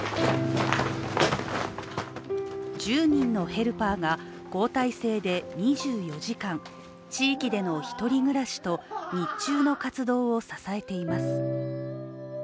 １０人のヘルパーが交代制で２４時間地域での１人暮らしと日中の活動を支えています。